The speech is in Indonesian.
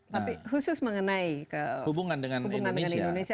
tapi khusus mengenai hubungan dengan indonesia